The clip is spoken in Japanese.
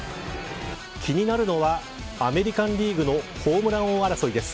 気になるのはアメリカンリーグのホームラン王争いです。